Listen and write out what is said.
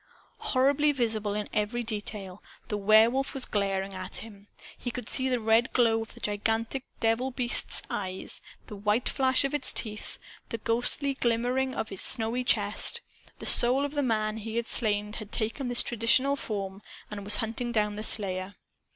Horribly visible in every detail, the Werewolf was glaring at him. He could see the red glow of the gigantic devil beast's eyes, the white flash of its teeth, the ghostly shimmering of its snowy chest. The soul of the man he had slain had taken this traditional form and was hunting down the slayer!